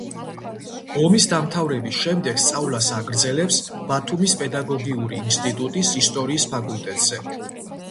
ომის დამთავრების შემდეგ სწავლას აგრძელებს ბათუმის პედაგოგიური ინსტიტუტის ისტორიის ფაკულტეტზე.